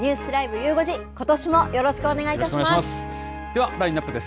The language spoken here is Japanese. ゆう５時、ことしもよろしくお願いいたします。